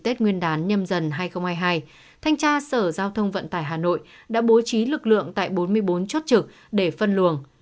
tết nguyên đán nhâm dần hai nghìn hai mươi hai thanh tra sở giao thông vận tải hà nội đã bố trí lực lượng tại bốn mươi bốn chốt trực để phân luồng